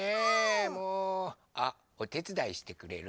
もうあっおてつだいしてくれる？